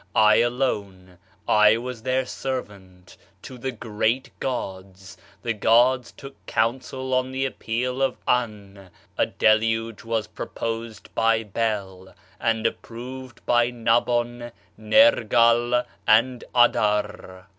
[I alone, I was] their servant, to the great gods [The gods took counsel on the appeal of] Ann [a deluge was proposed by] Bel [and approved by Nabon, Nergal and] Adar.